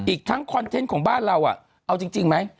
อีกทั้งคอนเทนต์ของบ้านเราเอาจริงไหม